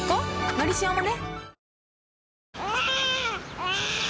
「のりしお」もね